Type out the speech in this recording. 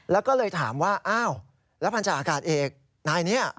แล้วก็เลยถามว่าอ้าวแล้วพันธาอากาศเอกนายนี้